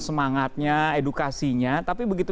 semangatnya edukasinya tapi begitu